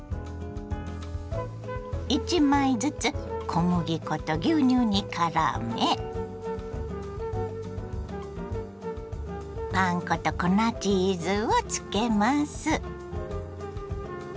１枚ずつ小麦粉と牛乳にからめパン粉と粉チーズをつけます。